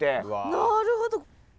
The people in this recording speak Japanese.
なるほど。